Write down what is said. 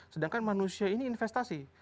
sedangkan manusia ini investasi